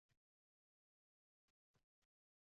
Otash qalar sogʼinchimning oʼchogʼiga